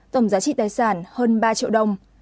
tổng giá trị tài sản hơn ba triệu đồng